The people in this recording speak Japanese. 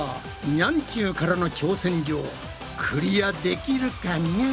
ニャンちゅうからの挑戦状クリアできるかニャ？